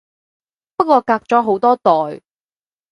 不過隔咗好多代